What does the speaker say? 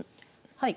はい。